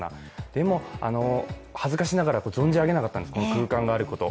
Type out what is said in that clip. でも、恥ずかしながら存じ上げなかったんです、この空間があること。